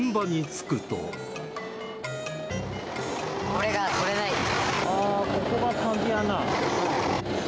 これがとれないの。